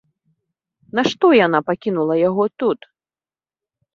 Нашто яна пакінула яго тут?